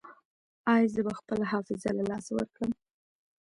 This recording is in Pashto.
ایا زه به خپله حافظه له لاسه ورکړم؟